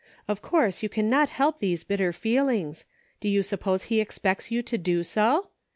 Of course you can not help these bitter feelings ; do you suppose He expects you to do so